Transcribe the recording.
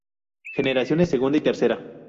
Generaciones:Segunda y Tercera.